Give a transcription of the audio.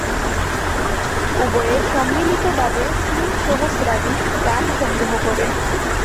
উভয়ে সম্মিলিতভাবে তিন সহস্রাধিক রান সংগ্রহ করেন।